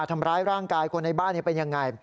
ทำร้ายร่างกายคนในบ้านเป็นยังไง